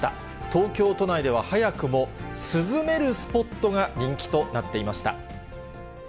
東京都内では早くも、涼めるスポットが人気となっていました。